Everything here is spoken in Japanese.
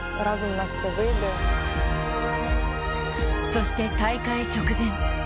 そして大会直前。